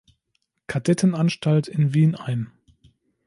Kadettenanstalt in Wien ein.